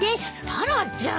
タラちゃん。